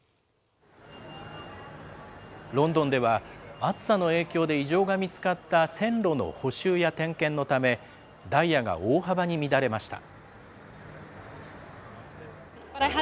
ロンドンでは、暑さの影響で異常が見つかった線路の補修や点検のため、ダイヤが大幅に乱れました。